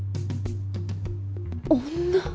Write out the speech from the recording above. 女！？